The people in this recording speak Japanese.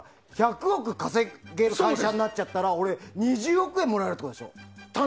１００億稼げる会社になったら２０億円もらえるってことでしょ？